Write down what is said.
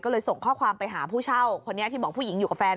ก็เลยส่งข้อความไปหาผู้เช่าคนนี้ที่บอกผู้หญิงอยู่กับแฟน